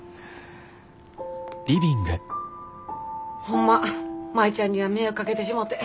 ホンマ舞ちゃんには迷惑かけてしもて。